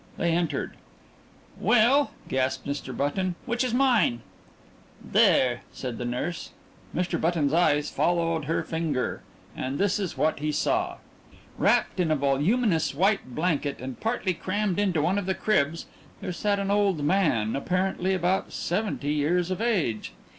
They entered. "Well," gasped Mr. Button, "which is mine?" "There!" said the nurse. Mr. Button's eyes followed her pointing finger, and this is what he saw. Wrapped in a voluminous white blanket, and partly crammed into one of the cribs, there sat an old man apparently about seventy years of age.